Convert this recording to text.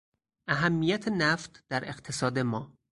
اهمیت نفت در اقتصاد ما